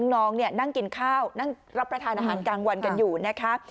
น้องนั่งกินข้าวนั่งรับประทานอาหารกลางวันกันอยู่นะคะ